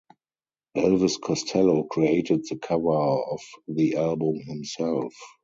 Elvis Costello created the cover of the album himself.